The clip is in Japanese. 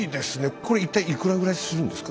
これ一体いくらぐらいするんですか？